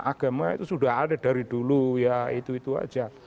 agama itu sudah ada dari dulu ya itu itu aja